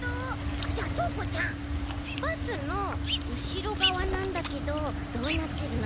あっじゃあとうこちゃんバスのうしろがわなんだけどどうなってるのかな？